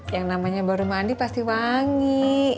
yang namanya baru mandi pasti wangi